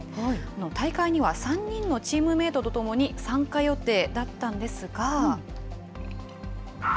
大会には３人のチームメートと共に参加予定だったんですが。